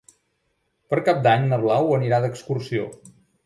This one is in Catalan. Per Cap d'Any na Blau anirà d'excursió.